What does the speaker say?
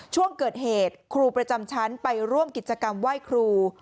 ช่วงเกิดเหตุครูประจำชั้นไปร่วมกิจกรรมไหว้ครู